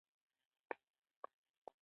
پاک نیت، پاک عاقبت.